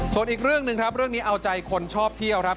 ส่วนอีกเรื่องหนึ่งครับเรื่องนี้เอาใจคนชอบเที่ยวครับ